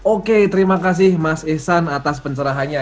oke terima kasih mas ihsan atas pencerahannya